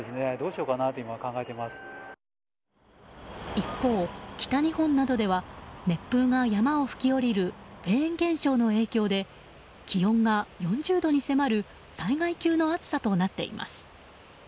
一方、北日本などでは熱風が山を吹き下りるフェーン現象の影響で気温が４０度に迫る災害級の暑さとなっています。